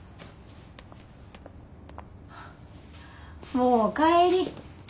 もう帰り。